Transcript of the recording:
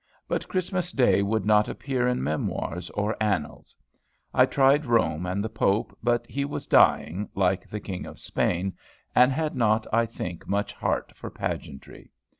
But Christmas day would not appear in memoirs or annals. I tried Rome and the Pope, but he was dying, like the King of Spain, and had not, I think, much heart for pageantry.